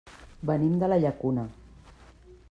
Venim de la Llacuna.